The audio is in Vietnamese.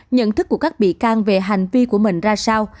nhận thức của các bị can về hành vi của mình ra sao